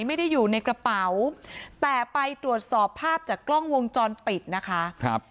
ไม่ได้อยู่ในกระเป๋าแต่ไปตรวจสอบภาพจากกล้องวงจรปิดนะคะครับ